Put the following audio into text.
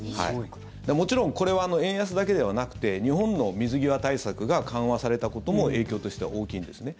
もちろんこれは円安だけではなくて日本の水際対策が緩和されたことも影響としては大きいんですね。